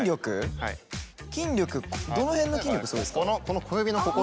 筋力どの辺の筋力すごいですか？